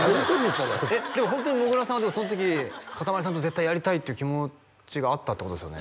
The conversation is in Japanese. それえっでもホントにもぐらさんはその時かたまりさんと絶対やりたいっていう気持ちがあったってことですよね？